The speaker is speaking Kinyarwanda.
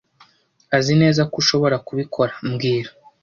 Azineza ko ushobora kubikora mbwira